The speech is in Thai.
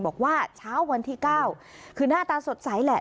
บอกว่าเช้าวันที่๙คือหน้าตาสดใสแหละ